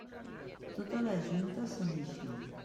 Totes les juntes se n'ixen.